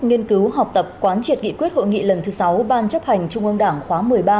nghiên cứu học tập quán triệt nghị quyết hội nghị lần thứ sáu ban chấp hành trung ương đảng khóa một mươi ba